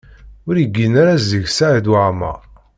Ur igin ara zik Saɛid Waɛmaṛ.